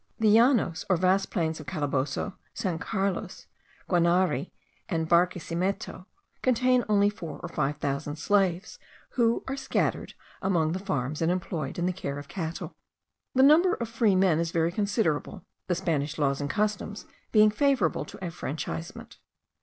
The llanos or vast plains of Calaboso, San Carlos, Guanare, and Barquecimeto, contain only four or five thousand slaves, who are scattered among the farms, and employed in the care of cattle. The number of free men is very considerable; the Spanish laws and customs being favourable to affranchisement.